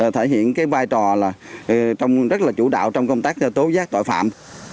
thể hiện cái vai trò là rất là chủ đạo trong công tác tố giác tội phạm